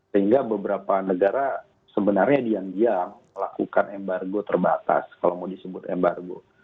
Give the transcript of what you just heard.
sehingga beberapa negara sebenarnya diam diam melakukan embargo terbatas kalau mau disebut embargo